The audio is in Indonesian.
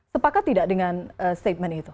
sepakat tidak dengan statement itu